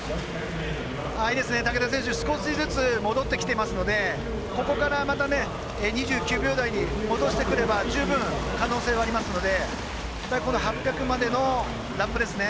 竹田選手、少しずつ戻ってきていますのでここから２９秒台に戻してくれば十分可能性はありますので８００までのラップですね。